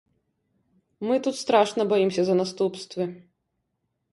Мы тут страшна баімся за наступствы.